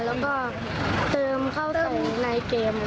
แล้วก็เติมเข้าสู่ในเกม